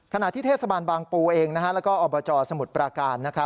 ขณะที่เทศบาลบางปูเองแล้วก็อบจสมุทรปราการ